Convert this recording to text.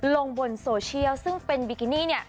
ลงบนโซเชียลซึ่งเป็นบิกินี่